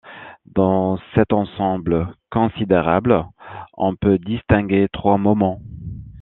Dans cet ensemble considérable on peut distinguer trois moments.